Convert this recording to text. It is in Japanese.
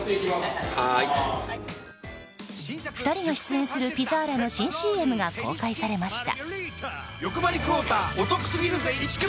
２人が出演するピザーラの新ＣＭが公開されました。